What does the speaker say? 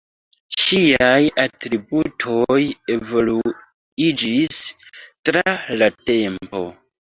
Ŝiaj atributoj evoluiĝis tra la tempo.